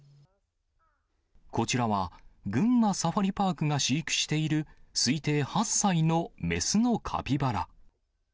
こちらは、群馬サファリパークが飼育している、推定８歳の雌のカピバラ。